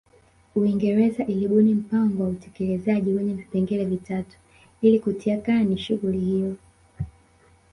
Uingereza ilibuni mpango wa utekelezaji wenye vipengele vitatu ili kutia kani shughuli hiyo